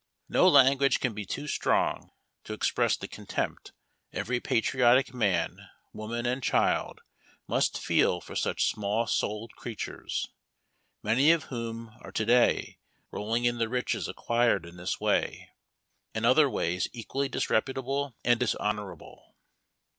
No language can be too strong to express the contempt every patriotic man, woman, and child must feel for such small souled creatures, many of whom are to day rolling in the riches acquired in this way and other ways equally disreputable and dishonorable.